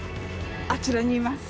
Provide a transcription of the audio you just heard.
あちらにいます。